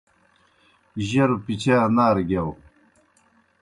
جروْ پِچَا نارہ گِیاؤ۔